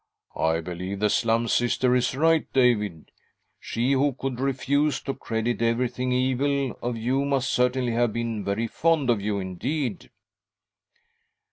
"I believe the Slum Sister is right, David. She who could refuse , to credit everything evil of you must certainly have been very fond of you indeed."